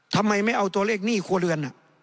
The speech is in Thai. ทำไมไม่เอาตัวเลขหนี้ครัวเรือน